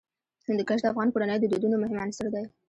هندوکش د افغان کورنیو د دودونو مهم عنصر دی.